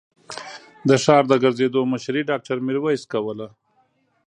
د ښار د ګرځېدو مشري ډاکټر ميرويس کوله.